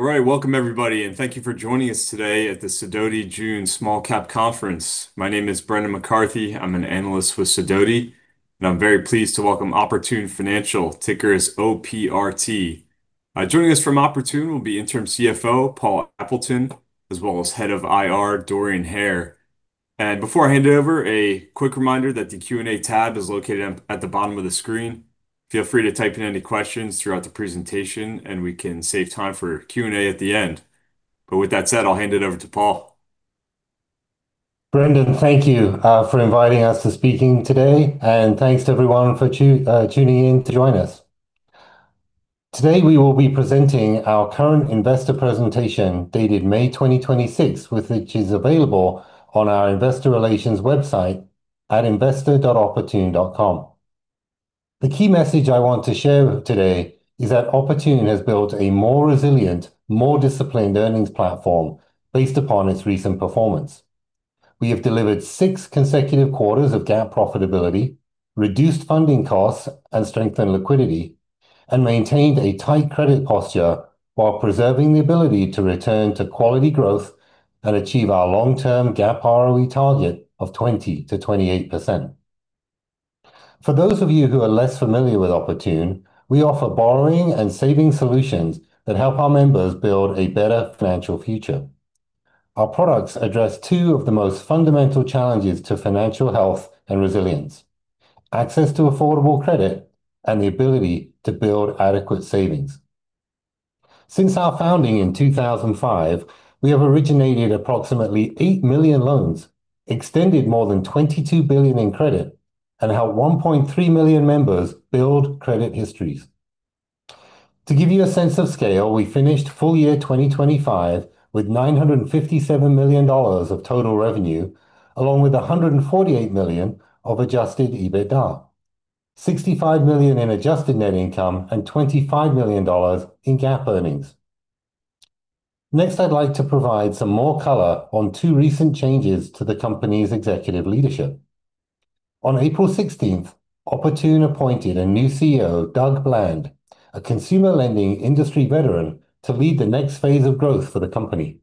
Welcome, everybody, and thank you for joining us today at the Sidoti June Virtual Investor Conference. My name is Brendan McCarthy. I'm an analyst with Sidoti, and I'm very pleased to welcome Oportun Financial, ticker is OPRT. Joining us from Oportun will be Interim CFO, Paul Appleton, as well as head of IR, Dorian Hare. Before I hand it over, a quick reminder that the Q&A tab is located at the bottom of the screen. Feel free to type in any questions throughout the presentation, and we can save time for Q&A at the end. With that said, I'll hand it over to Paul. Brendan, thank you for inviting us to speaking today. Thanks to everyone for tuning in to join us. Today, we will be presenting our current investor presentation, dated May 2026, which is available on our investor relations website at investor.oportun.com. The key message I want to share today is that Oportun has built a more resilient, more disciplined earnings platform based upon its recent performance. We have delivered six consecutive quarters of GAAP profitability, reduced funding costs, and strengthened liquidity, and maintained a tight credit posture while preserving the ability to return to quality growth and achieve our long-term GAAP ROE target of 20%-28%. For those of you who are less familiar with Oportun, we offer borrowing and saving solutions that help our members build a better financial future. Our products address two of the most fundamental challenges to financial health and resilience, access to affordable credit, and the ability to build adequate savings. Since our founding in 2005, we have originated approximately 8 million loans, extended more than $22 billion in credit, and helped 1.3 million members build credit histories. To give you a sense of scale, we finished full year 2025 with $957 million of total revenue, along with $148 million of adjusted EBITDA, $65 million in adjusted net income and $25 million in GAAP earnings. Next, I'd like to provide some more color on two recent changes to the company's executive leadership. On April 16th, Oportun appointed a new CEO, Doug Bland, a consumer lending industry veteran, to lead the next phase of growth for the company.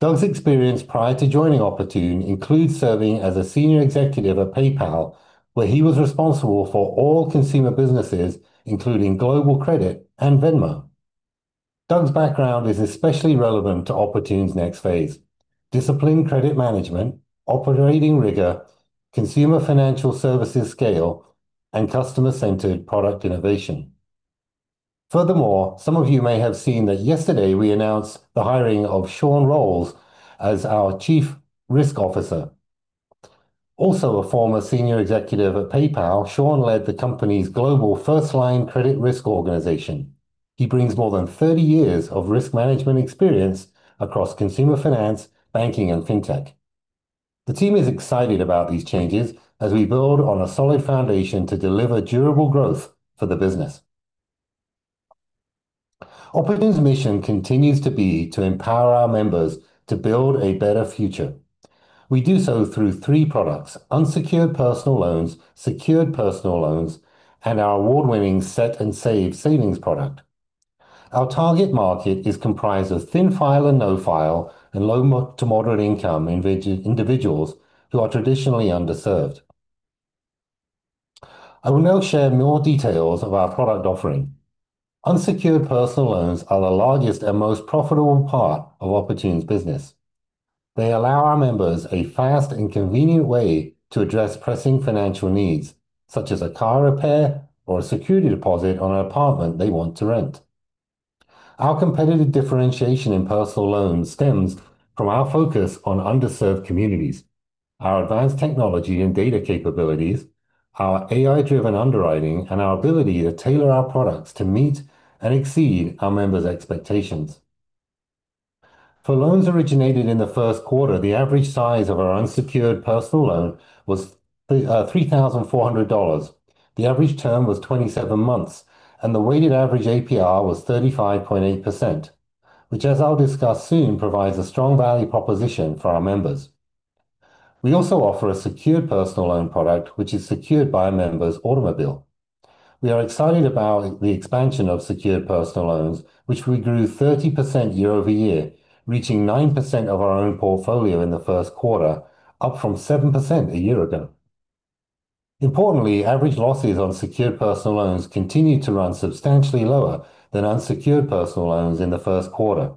Doug's experience prior to joining Oportun includes serving as a senior executive at PayPal, where he was responsible for all consumer businesses, including Global Credit and Venmo. Doug's background is especially relevant to Oportun's next phase, disciplined credit management, operating rigor, consumer financial services scale, and customer-centered product innovation. Furthermore, some of you may have seen that yesterday we announced the hiring of Sean Rowles as our Chief Risk Officer. Also, a former senior executive at PayPal, Sean led the company's global first-line credit risk organization. He brings more than 30 years of risk management experience across consumer finance, banking, and fintech. The team is excited about these changes as we build on a solid foundation to deliver durable growth for the business. Oportun's mission continues to be to empower our members to build a better future. We do so through three products: unsecured personal loans, secured personal loans, and our award-winning Set & Save savings product. Our target market is comprised of thin-file and no-file and low to moderate income individuals who are traditionally underserved. I will now share more details of our product offering. Unsecured personal loans are the largest and most profitable part of Oportun's business. They allow our members a fast and convenient way to address pressing financial needs, such as a car repair or a security deposit on an apartment they want to rent. Our competitive differentiation in personal loans stems from our focus on underserved communities, our advanced technology and data capabilities, our AI-driven underwriting, and our ability to tailor our products to meet and exceed our members' expectations. For loans originated in the first quarter, the average size of our unsecured personal loan was $3,400. The average term was 27 months, the weighted average APR was 35.8%, which, as I'll discuss soon, provides a strong value proposition for our members. We also offer a secured personal loan product, which is secured by a member's automobile. We are excited about the expansion of secured personal loans, which we grew 30% year-over-year, reaching 9% of our loan portfolio in the first quarter, up from 7% a year ago. Importantly, average losses on secured personal loans continued to run substantially lower than unsecured personal loans in the first quarter.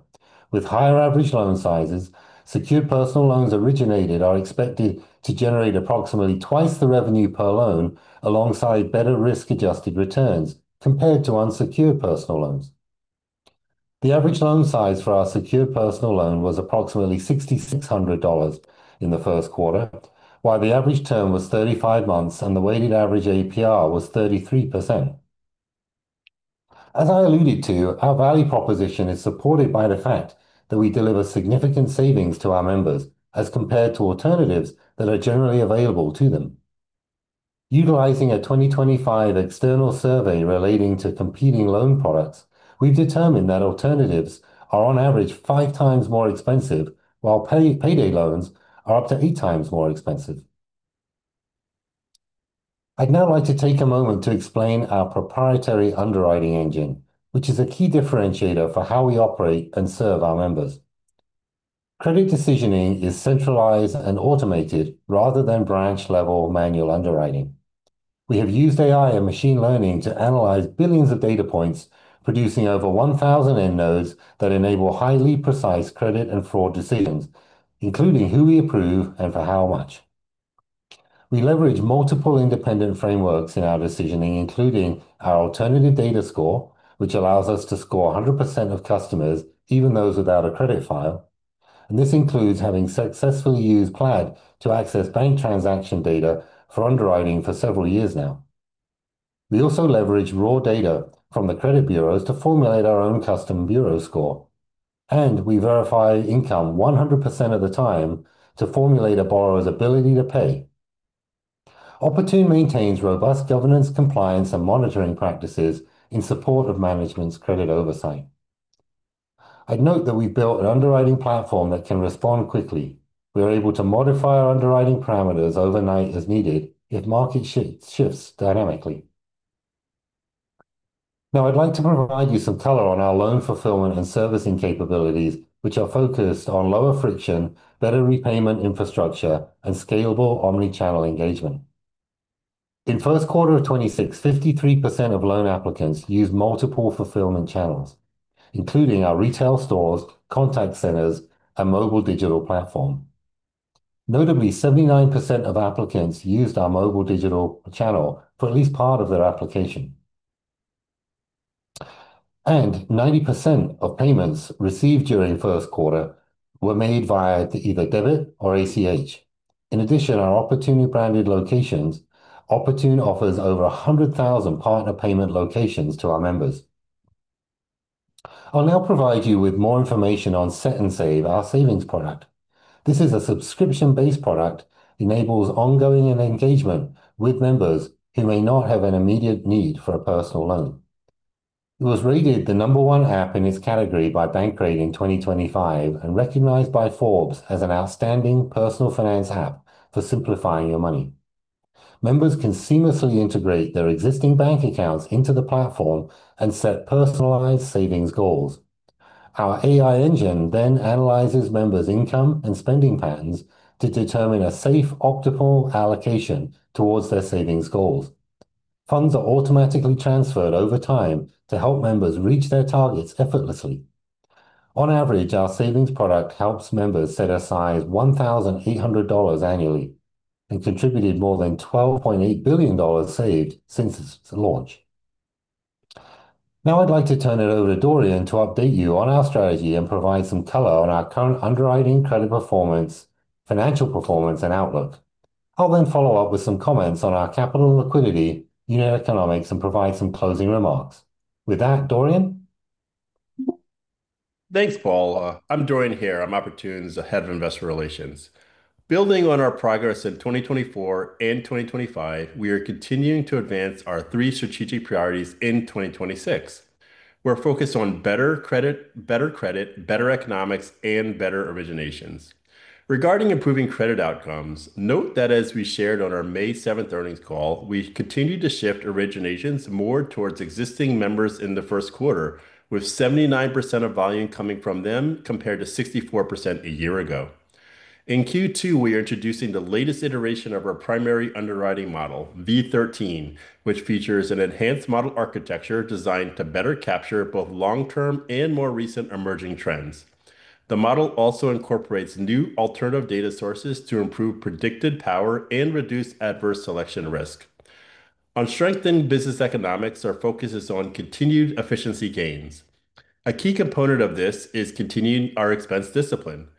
With higher average loan sizes, secured personal loans originated are expected to generate approximately twice the revenue per loan alongside better risk-adjusted returns compared to unsecured personal loans. The average loan size for our secured personal loan was approximately $6,600 in the first quarter, while the average term was 35 months and the weighted average APR was 33%. As I alluded to, our value proposition is supported by the fact that we deliver significant savings to our members as compared to alternatives that are generally available to them. Utilizing a 2025 external survey relating to competing loan products, we've determined that alternatives are on average five times more expensive, while payday loans are up to eight times more expensive. I'd now like to take a moment to explain our proprietary underwriting engine, which is a key differentiator for how we operate and serve our members. Credit decisioning is centralized and automated rather than branch-level manual underwriting. We have used AI and machine learning to analyze billions of data points, producing over 1,000 end nodes that enable highly precise credit and fraud decisions, including who we approve and for how much. We leverage multiple independent frameworks in our decisioning, including our alternative data score, which allows us to score 100% of customers, even those without a credit file. This includes having successfully used Plaid to access bank transaction data for underwriting for several years now. We also leverage raw data from the credit bureaus to formulate our own custom bureau score, and we verify income 100% of the time to formulate a borrower's ability to pay. Oportun maintains robust governance, compliance, and monitoring practices in support of management's credit oversight. I'd note that we've built an underwriting platform that can respond quickly. We are able to modify our underwriting parameters overnight as needed if market shifts dynamically. Now I'd like to provide you some color on our loan fulfillment and servicing capabilities, which are focused on lower friction, better repayment infrastructure, and scalable omni-channel engagement. In first quarter of 2026, 53% of loan applicants used multiple fulfillment channels, including our retail stores, contact centers, and mobile digital platform. Notably, 79% of applicants used our mobile digital channel for at least part of their application. 90% of payments received during first quarter were made via either debit or ACH. In addition, our Oportun-branded locations, Oportun offers over 100,000 partner payment locations to our members. I'll now provide you with more information on Set & Save, our savings product. This is a subscription-based product enables ongoing engagement with members who may not have an immediate need for a personal loan. It was rated the number 1 app in its category by Bankrate in 2025 and recognized by Forbes as an outstanding personal finance app for simplifying your money. Members can seamlessly integrate their existing bank accounts into the platform and set personalized savings goals. Our AI engine then analyzes members' income and spending patterns to determine a safe optimal allocation towards their savings goals. Funds are automatically transferred over time to help members reach their targets effortlessly. On average, our savings product helps members set aside $1,800 annually and contributed more than $12.8 billion saved since its launch. Now I'd like to turn it over to Dorian to update you on our strategy and provide some color on our current underwriting credit performance, financial performance, and outlook. I'll follow up with some comments on our capital liquidity, unit economics, and provide some closing remarks. With that, Dorian? Thanks, Paul. I'm Dorian Hare. I'm Oportun's Head of Investor Relations. Building on our progress in 2024 and 2025, we are continuing to advance our three strategic priorities in 2026. We're focused on better credit, better economics, and better originations. Regarding improving credit outcomes, note that as we shared on our May 7th earnings call, we continued to shift originations more towards existing members in the first quarter, with 79% of volume coming from them, compared to 64% a year ago. In Q2, we are introducing the latest iteration of our primary underwriting model, V13, which features an enhanced model architecture designed to better capture both long-term and more recent emerging trends. The model also incorporates new alternative data sources to improve predictive power and reduce adverse selection risk. On strengthened business economics, our focus is on continued efficiency gains. A key component of this is continuing our expense discipline.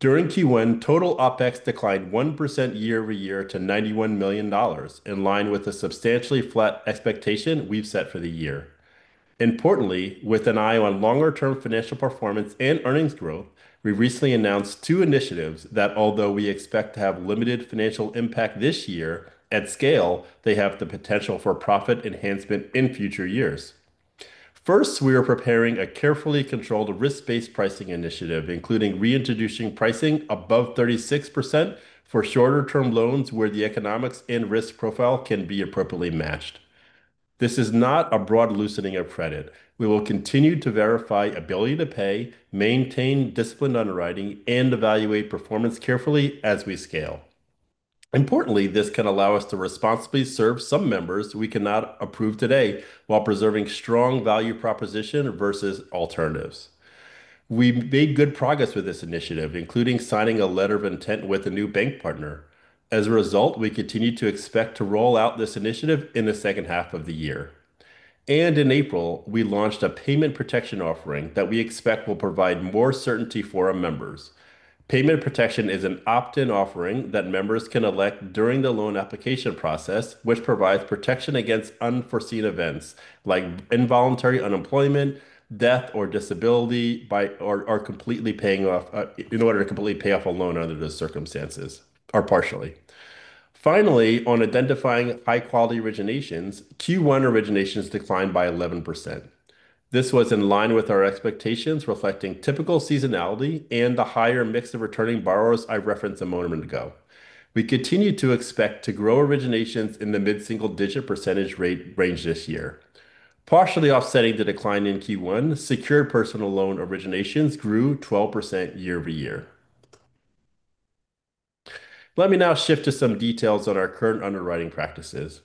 During Q1, total OpEx declined 1% year-over-year to $91 million, in line with the substantially flat expectation we've set for the year. Importantly, with an eye on longer-term financial performance and earnings growth, we recently announced two initiatives that although we expect to have limited financial impact this year, at scale, they have the potential for profit enhancement in future years. First, we are preparing a carefully controlled risk-based pricing initiative, including reintroducing pricing above 36% for shorter-term loans where the economics and risk profile can be appropriately matched. This is not a broad loosening of credit. We will continue to verify ability to pay, maintain disciplined underwriting, and evaluate performance carefully as we scale. Importantly, this can allow us to responsibly serve some members we cannot approve today while preserving strong value proposition versus alternatives. We've made good progress with this initiative, including signing a letter of intent with a new bank partner. We continue to expect to roll out this initiative in the second half of the year. In April, we launched a payment protection offering that we expect will provide more certainty for our members. Payment protection is an opt-in offering that members can elect during the loan application process, which provides protection against unforeseen events like involuntary unemployment, death, or disability, in order to completely pay off a loan under those circumstances, or partially. On identifying high-quality originations, Q1 originations declined by 11%. This was in line with our expectations, reflecting typical seasonality and the higher mix of returning borrowers I referenced a moment ago. We continue to expect to grow originations in the mid-single-digit percentage range this year. Partially offsetting the decline in Q1, secured personal loan originations grew 12% year-over-year. Let me now shift to some details on our current underwriting practices.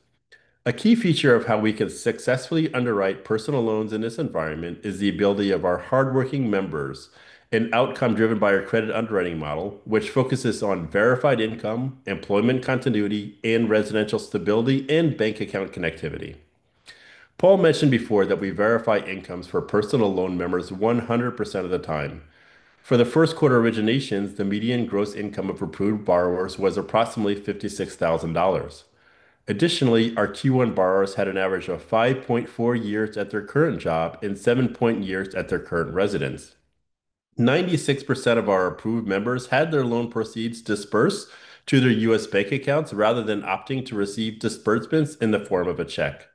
A key feature of how we can successfully underwrite personal loans in this environment is the ability of our hardworking members and outcome driven by our credit underwriting model, which focuses on verified income, employment continuity and residential stability, and bank account connectivity. Paul mentioned before that we verify incomes for personal loan members 100% of the time. For the first quarter originations, the median gross income of approved borrowers was approximately $56,000. Our Q1 borrowers had an average of 5.4 years at their current job and 7.0 years at their current residence. 96% of our approved members had their loan proceeds dispersed to their U.S. bank accounts, rather than opting to receive disbursements in the form of a check.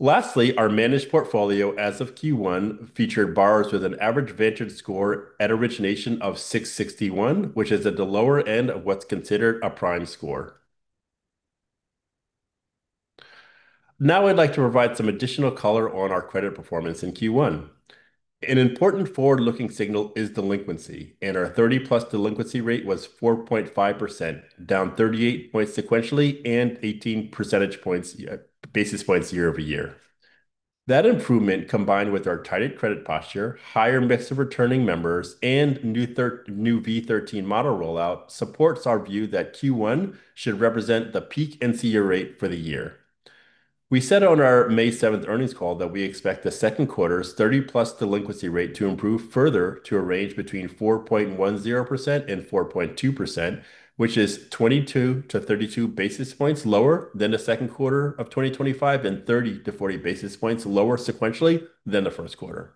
Our managed portfolio as of Q1 featured borrowers with an average vantage score at origination of 661, which is at the lower end of what's considered a prime score. I'd like to provide some additional color on our credit performance in Q1. An important forward-looking signal is delinquency, our 30-plus delinquency rate was 4.5%, down 38 points sequentially and 18 basis points year-over-year. That improvement, combined with our tighter credit posture, higher mix of returning members, and new V13 model rollout, supports our view that Q1 should represent the peak NCO rate for the year. We said on our May 7th earnings call that we expect the second quarter's 30-plus delinquency rate to improve further to a range between 4.10%-4.2%, which is 22-32 basis points lower than the second quarter of 2025 and 30-40 basis points lower sequentially than the first quarter.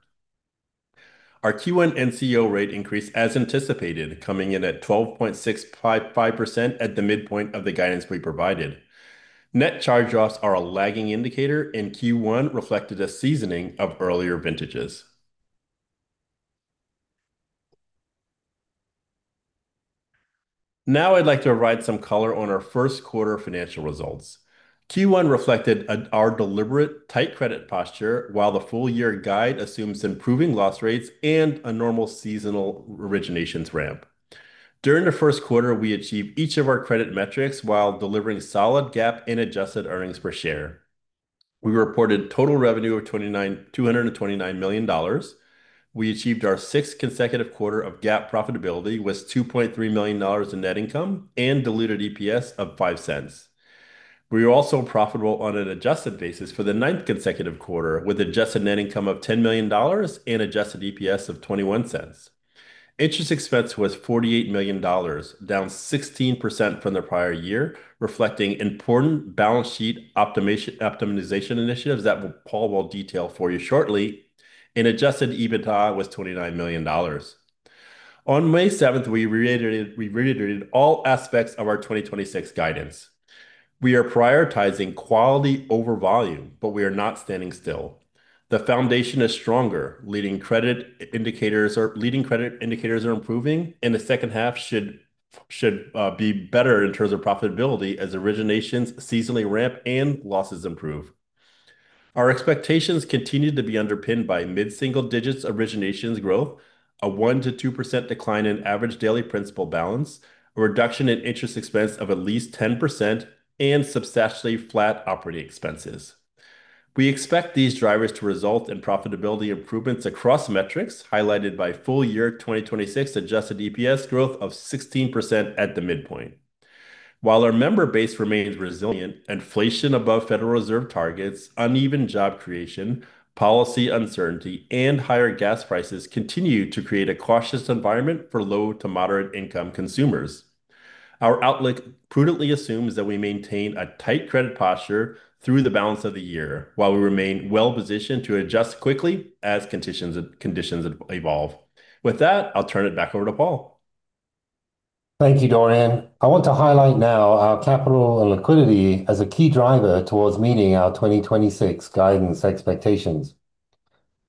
Our Q1 NCO rate increased as anticipated, coming in at 12.655% at the midpoint of the guidance we provided. Net charge-offs are a lagging indicator, Q1 reflected a seasoning of earlier vintages. I'd like to provide some color on our first quarter financial results. Q1 reflected our deliberate tight credit posture while the full-year guide assumes improving loss rates and a normal seasonal originations ramp. During the first quarter, we achieved each of our credit metrics while delivering solid GAAP and adjusted EPS. We reported total revenue of $229 million. We achieved our sixth consecutive quarter of GAAP profitability with $2.3 million in net income and diluted EPS of $0.05. We were also profitable on an adjusted basis for the ninth consecutive quarter, with adjusted net income of $10 million and adjusted EPS of $0.21. Interest expense was $48 million, down 16% from the prior year, reflecting important balance sheet optimization initiatives that Paul will detail for you shortly, and adjusted EBITDA was $29 million. On May 7th, we reiterated all aspects of our 2026 guidance. We are prioritizing quality over volume, but we are not standing still. The foundation is stronger. Leading credit indicators are improving, and the second half should be better in terms of profitability as originations seasonally ramp and losses improve. Our expectations continue to be underpinned by mid-single digits originations growth, a 1%-2% decline in average daily principal balance, a reduction in interest expense of at least 10%, and substantially flat operating expenses. We expect these drivers to result in profitability improvements across metrics highlighted by full year 2026 adjusted EPS growth of 16% at the midpoint. While our member base remains resilient, inflation above Federal Reserve targets, uneven job creation, policy uncertainty, and higher gas prices continue to create a cautious environment for low to moderate income consumers. Our outlook prudently assumes that we maintain a tight credit posture through the balance of the year while we remain well-positioned to adjust quickly as conditions evolve. With that, I'll turn it back over to Paul. Thank you, Dorian. I want to highlight now our capital and liquidity as a key driver towards meeting our 2026 guidance expectations.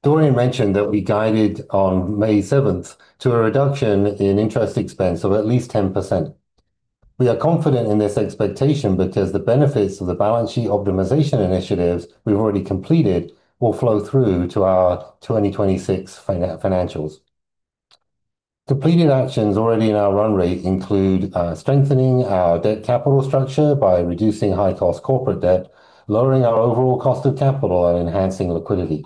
Dorian mentioned that we guided on May 7th to a reduction in interest expense of at least 10%. We are confident in this expectation because the benefits of the balance sheet optimization initiatives we've already completed will flow through to our 2026 financials. Completed actions already in our run rate include strengthening our debt capital structure by reducing high-cost corporate debt, lowering our overall cost of capital, and enhancing liquidity.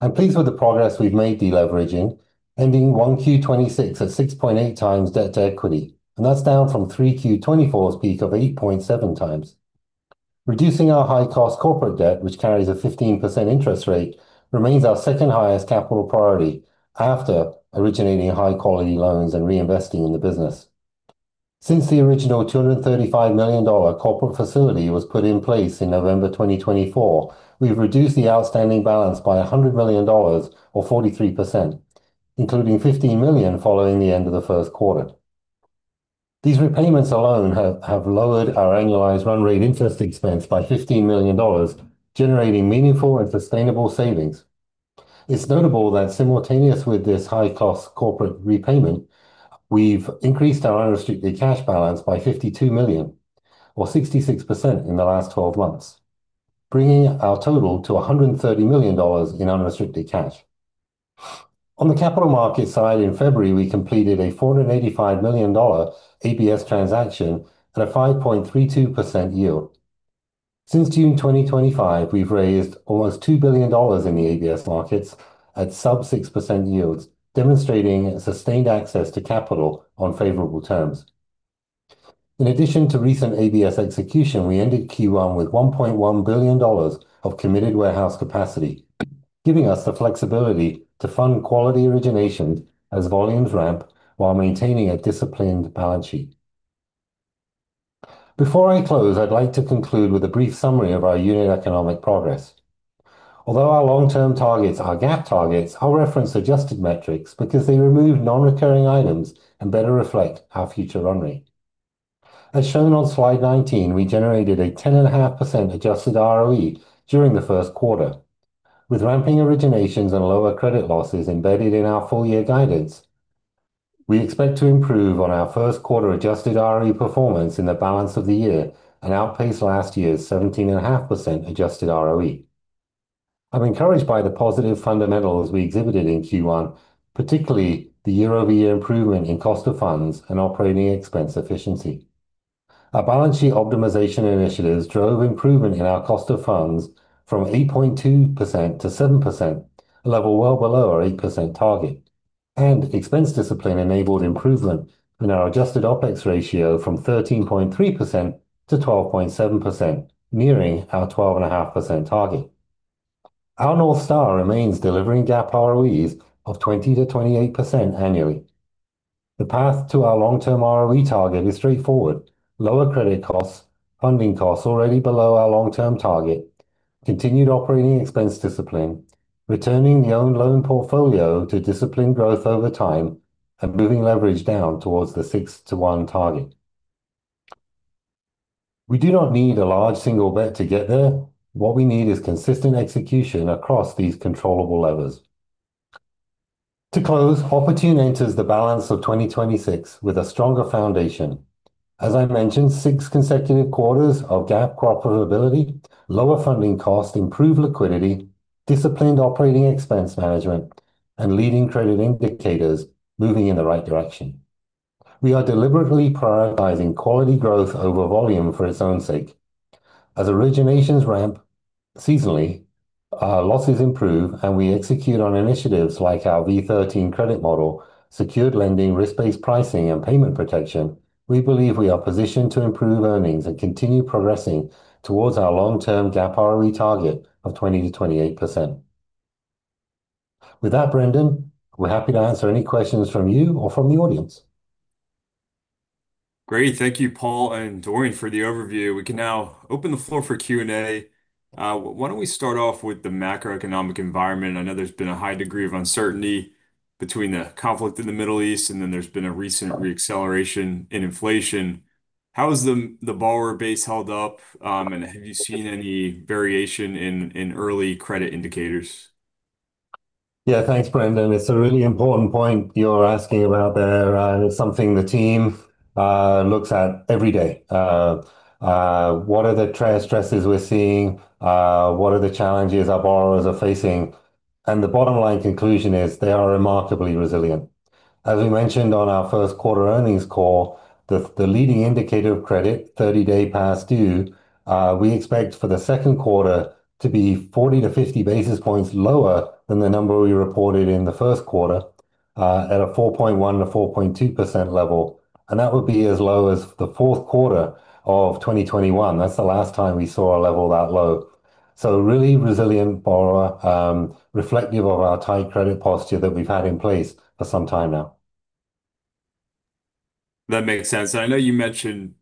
I'm pleased with the progress we've made deleveraging, ending 1Q26 at 6.8 times debt to equity, and that's down from 3Q24's peak of 8.7 times. Reducing our high-cost corporate debt, which carries a 15% interest rate, remains our second highest capital priority after originating high-quality loans and reinvesting in the business. Since the original $235 million corporate facility was put in place in November 2024, we've reduced the outstanding balance by $100 million or 43%. Including $15 million following the end of the first quarter. These repayments alone have lowered our annualized run rate interest expense by $15 million, generating meaningful and sustainable savings. It's notable that simultaneous with this high-cost corporate repayment, we've increased our unrestricted cash balance by $52 million or 66% in the last 12 months, bringing our total to $130 million in unrestricted cash. On the capital market side, in February, we completed a $485 million ABS transaction at a 5.32% yield. Since June 2025, we've raised almost $2 billion in the ABS markets at sub 6% yields, demonstrating sustained access to capital on favorable terms. In addition to recent ABS execution, we ended Q1 with $1.1 billion of committed warehouse capacity, giving us the flexibility to fund quality originations as volumes ramp while maintaining a disciplined balance sheet. Before I close, I'd like to conclude with a brief summary of our unit economic progress. Although our long-term targets are GAAP targets, I'll reference adjusted metrics because they remove non-recurring items and better reflect our future run rate. As shown on slide 19, we generated a 10.5% adjusted ROE during the first quarter. With ramping originations and lower credit losses embedded in our full-year guidance, we expect to improve on our first quarter adjusted ROE performance in the balance of the year and outpace last year's 17.5% adjusted ROE. I'm encouraged by the positive fundamentals we exhibited in Q1, particularly the year-over-year improvement in cost of funds and operating expense efficiency. Our balance sheet optimization initiatives drove improvement in our cost of funds from 8.2% to 7%, a level well below our 8% target, and expense discipline-enabled improvement in our adjusted OpEx ratio from 13.3% to 12.7%, nearing our 12.5% target. Our North Star remains delivering GAAP ROEs of 20%-28% annually. The path to our long-term ROE target is straightforward. Lower credit costs, funding costs already below our long-term target, continued operating expense discipline, returning the own loan portfolio to disciplined growth over time, and moving leverage down towards the six to one target. We do not need a large single bet to get there. What we need is consistent execution across these controllable levers. To close, Oportun enters the balance of 2026 with a stronger foundation. As I mentioned, six consecutive quarters of GAAP profitability, lower funding cost, improved liquidity, disciplined operating expense management, and leading credit indicators moving in the right direction. We are deliberately prioritizing quality growth over volume for its own sake. As originations ramp seasonally, our losses improve and we execute on initiatives like our V13 credit model, secured lending, risk-based pricing, and payment protection. We believe we are positioned to improve earnings and continue progressing towards our long-term GAAP ROE target of 20%-28%. With that, Brendan, we're happy to answer any questions from you or from the audience. Great. Thank you, Paul and Dorian, for the overview. We can now open the floor for Q&A. Why don't we start off with the macroeconomic environment? I know there's been a high degree of uncertainty between the conflict in the Middle East, there's been a recent re-acceleration in inflation. How has the borrower base held up? Have you seen any variation in early credit indicators? Thanks, Brendan. It's a really important point you're asking about there, and it's something the team looks at every day. What are the trend stresses we're seeing? What are the challenges our borrowers are facing? The bottom line conclusion is they are remarkably resilient. As we mentioned on our first quarter earnings call, the leading indicator of credit, 30-day past due, we expect for the second quarter to be 40 to 50 basis points lower than the number we reported in the first quarter, at a 4.1%-4.2% level, and that would be as low as the fourth quarter of 2021. That's the last time we saw a level that low. Really resilient borrower, reflective of our tight credit posture that we've had in place for some time now. That makes sense. I know you mentioned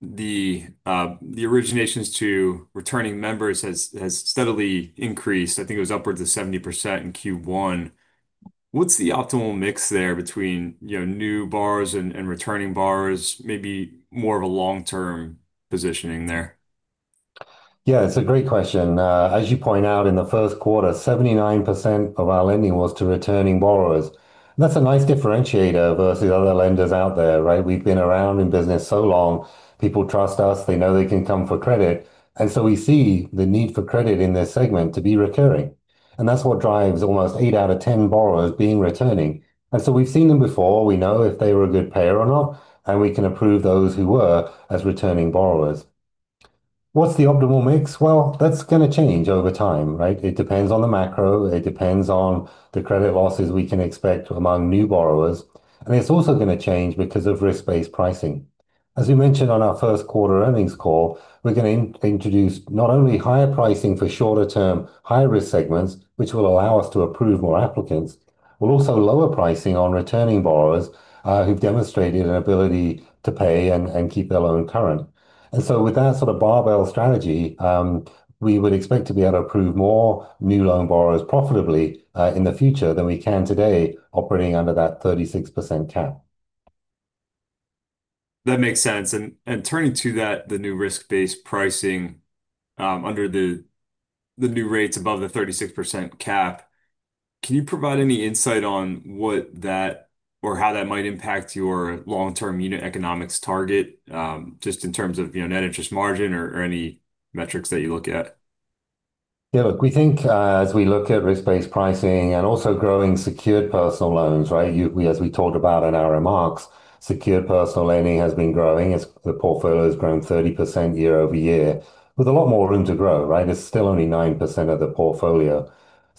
the originations to returning members has steadily increased. I think it was upwards of 70% in Q1. What's the optimal mix there between new borrowers and returning borrowers? Maybe more of a long-term positioning there. It's a great question. As you point out, in the first quarter, 79% of our lending was to returning borrowers. That's a nice differentiator versus other lenders out there, right? We've been around in business so long, people trust us. They know they can come for credit, we see the need for credit in this segment to be recurring. That's what drives almost eight out of 10 borrowers being returning. We've seen them before. We know if they were a good payer or not, and we can approve those who were as returning borrowers. What's the optimal mix? That's going to change over time, right? It depends on the macro. It depends on the credit losses we can expect among new borrowers, and it's also going to change because of risk-based pricing. As we mentioned on our first quarter earnings call, we're going to introduce not only higher pricing for shorter-term, high-risk segments, which will allow us to approve more applicants. We'll also lower pricing on returning borrowers who've demonstrated an ability to pay and keep their loan current. With that sort of barbell strategy, we would expect to be able to approve more new loan borrowers profitably in the future than we can today operating under that 36% cap. That makes sense. Turning to that, the new risk-based pricing, under the new rates above the 36% cap, can you provide any insight on what that or how that might impact your long-term unit economics target, just in terms of net interest margin or any metrics that you look at? Yeah, look, we think as we look at risk-based pricing and also growing secured personal loans, as we talked about in our remarks, secured personal lending has been growing as the portfolio has grown 30% year-over-year with a lot more room to grow. It's still only 9% of the portfolio.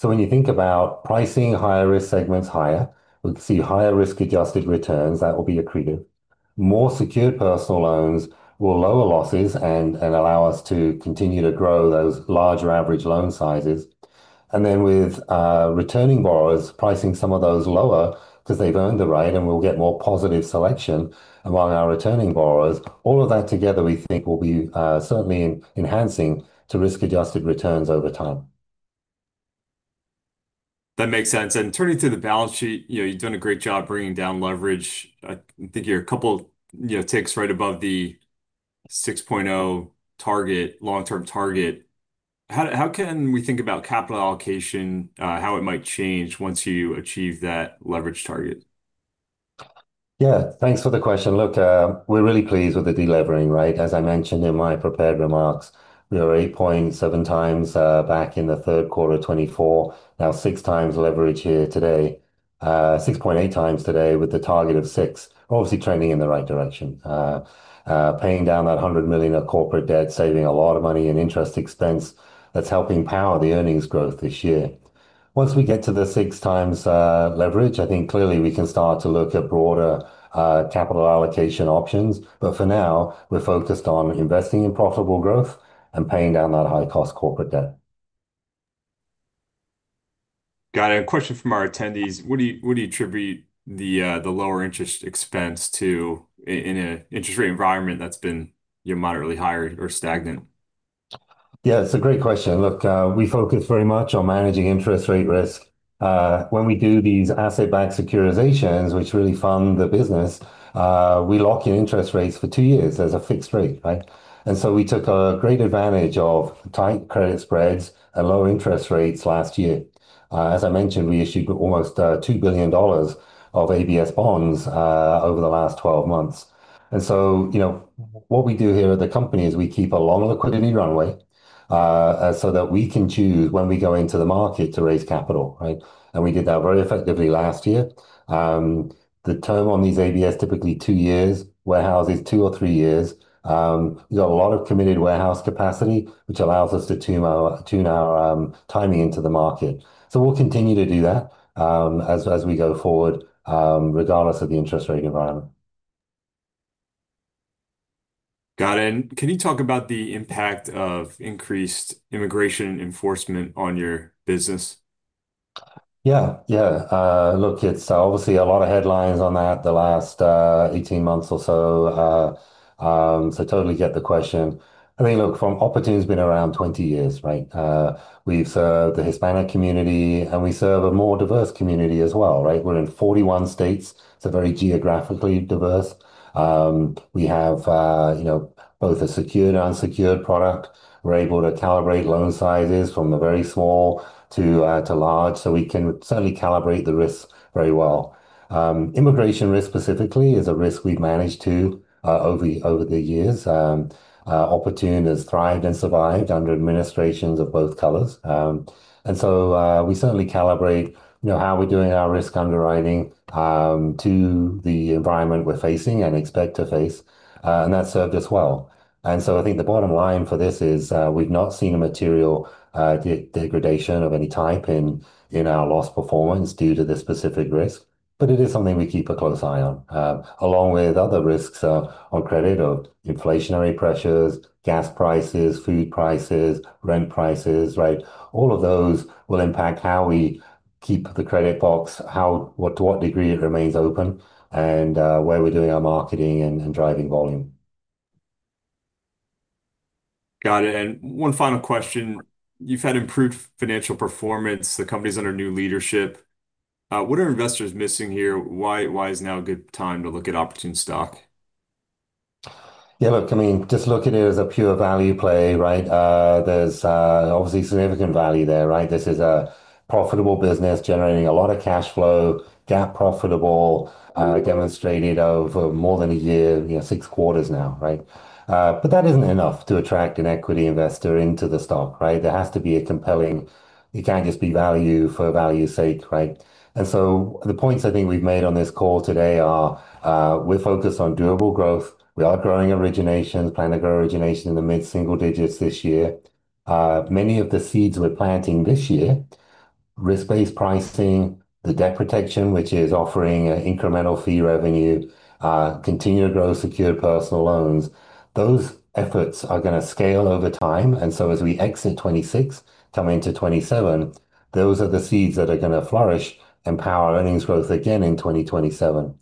When you think about pricing higher risk segments higher, we'll see higher risk-adjusted returns that will be accretive. More secured personal loans will lower losses and allow us to continue to grow those larger average loan sizes. Then with returning borrowers pricing some of those lower because they've earned the right and we'll get more positive selection among our returning borrowers. All of that together, we think will be certainly enhancing to risk-adjusted returns over time. That makes sense. Turning to the balance sheet, you've done a great job bringing down leverage. I think you're a couple ticks right above the 6.0 long-term target. How can we think about capital allocation, how it might change once you achieve that leverage target? Yeah, thanks for the question. Look, we're really pleased with the delevering. As I mentioned in my prepared remarks, we were 8.7 times back in the third quarter of 2024, now 6 times leverage here today, 6.8 times today with the target of 6, obviously trending in the right direction. Paying down that $100 million of corporate debt, saving a lot of money in interest expense, that's helping power the earnings growth this year. Once we get to the 6 times leverage, I think clearly we can start to look at broader capital allocation options. For now, we're focused on investing in profitable growth and paying down that high-cost corporate debt. Got it. A question from our attendees. What do you attribute the lower interest expense to in an interest rate environment that's been moderately higher or stagnant? Yeah, it's a great question. Look, we focus very much on managing interest rate risk. When we do these asset-backed securitizations, which really fund the business, we lock in interest rates for two years as a fixed rate. We took a great advantage of tight credit spreads and lower interest rates last year. As I mentioned, we issued almost $2 billion of ABS bonds over the last 12 months. What we do here at the company is we keep a lot of liquidity runway, so that we can choose when we go into the market to raise capital. We did that very effectively last year. The term on these ABS typically two years, warehouse is two or three years. We've got a lot of committed warehouse capacity, which allows us to tune our timing into the market. We'll continue to do that as we go forward, regardless of the interest rate environment. Got it. Can you talk about the impact of increased immigration enforcement on your business? Yeah. Look, it's obviously a lot of headlines on that the last 18 months or so totally get the question. I mean, look, Oportun's been around 20 years. We've served the Hispanic community, and we serve a more diverse community as well. We're in 41 states, so very geographically diverse. We have both a secured and unsecured product. We're able to calibrate loan sizes from the very small to large, so we can certainly calibrate the risks very well. Immigration risk specifically is a risk we've managed to over the years. Oportun has thrived and survived under administrations of both colors. We certainly calibrate how we're doing our risk underwriting to the environment we're facing and expect to face, and that's served us well. I think the bottom line for this is, we've not seen a material degradation of any type in our loss performance due to this specific risk. It is something we keep a close eye on, along with other risks on credit or inflationary pressures, gas prices, food prices, rent prices. All of those will impact how we keep the credit box, to what degree it remains open, and where we're doing our marketing and driving volume. Got it. One final question. You've had improved financial performance. The company's under new leadership. What are investors missing here? Why is now a good time to look at Oportun stock? Yeah, look, I mean, just look at it as a pure value play. There's obviously significant value there. This is a profitable business generating a lot of cash flow, GAAP profitable, demonstrated over more than a year, six quarters now. That isn't enough to attract an equity investor into the stock. It can't just be value for value's sake. The points I think we've made on this call today are, we're focused on durable growth. We are growing originations, plan to grow origination in the mid-single digits this year. Many of the seeds we're planting this year, risk-based pricing, the debt protection, which is offering incremental fee revenue, continued growth, secured personal loans, those efforts are going to scale over time. As we exit 2026 coming into 2027, those are the seeds that are going to flourish and power earnings growth again in 2027.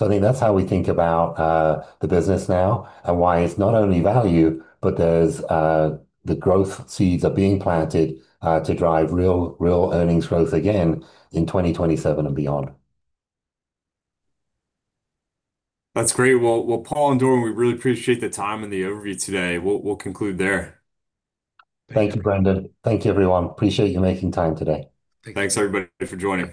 I think that's how we think about the business now and why it's not only value, but there's the growth seeds are being planted to drive real earnings growth again in 2027 and beyond. That's great. Well, Paul and Dorian, we really appreciate the time and the overview today. We'll conclude there. Thank you, Brendan. Thank you, everyone. Appreciate you making time today. Thanks, everybody, for joining.